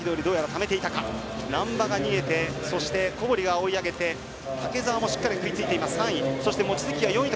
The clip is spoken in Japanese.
難波が逃げてそして小堀が追い上げて竹澤もしっかり食いついて３位。